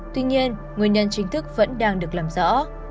tuy nhiên nguyên nhân chính thức vẫn đang được làm rõ